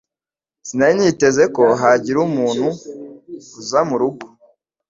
Sinari niteze ko hagira umuntu uza murugo.